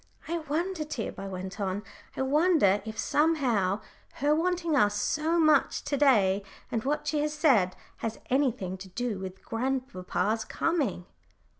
I wonder, Tib," I went on, "I wonder if somehow her wanting us so much to day, and what she has said, has anything to do with grandpapa's coming?"